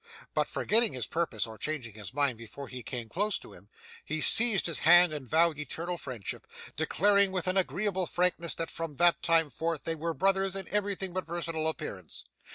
But forgetting his purpose or changing his mind before he came close to him, he seized his hand and vowed eternal friendship, declaring with an agreeable frankness that from that time forth they were brothers in everything but personal appearance.